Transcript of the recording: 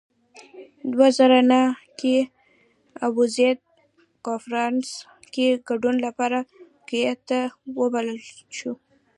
دوه زره نهه کې ابوزید کنفرانس کې ګډون لپاره کویت ته وبلل شو.